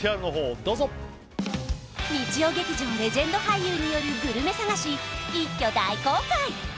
日曜劇場レジェンド俳優によるグルメ探し一挙大公開！